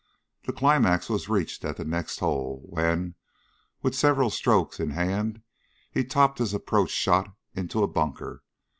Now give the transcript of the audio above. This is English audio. The climax was reached at the next hole, when, with several strokes in hand, he topped his approach shot into a bunker.